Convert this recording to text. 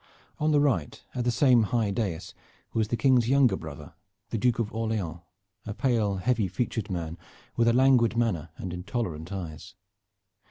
On the right, at the same high dais, was the King's younger brother, the Duke of Orleans, a pale heavy featured man, with a languid manner and intolerant eyes.